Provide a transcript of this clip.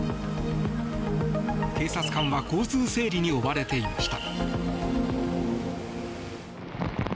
警察官は交通整理に追われていました。